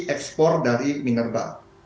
ekspor dari minerba